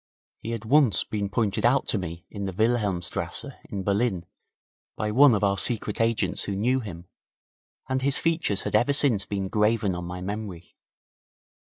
He had once been pointed out to me in the Wilhelmstrasse in Berlin by one of our secret agents who knew him, and his features had ever since been graven on my memory.